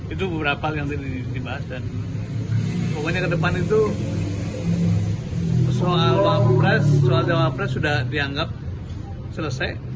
itu beberapa hal yang di bahas dan pokoknya ke depan itu soal cawapres sudah dianggap selesai